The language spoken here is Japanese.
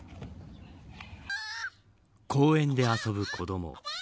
公園で遊ぶ子ども。